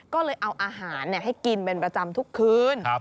ก็เลยเอาอาหารให้กินเป็นประจำทุกคืน